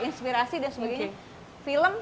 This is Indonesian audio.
inspirasi dan sebagainya film